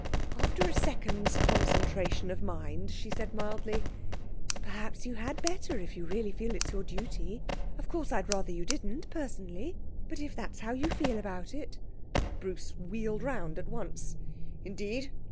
After a second's concentration of mind, she said mildly 'Perhaps you had better, if you really feel it your duty. Of course, I'd rather you didn't, personally. But if that's how you feel about it ' Bruce wheeled round at once. 'Indeed!